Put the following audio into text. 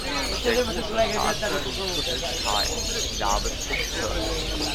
Der große, fadenförmige Griffel ist kahl, die Narbe ist punktförmig.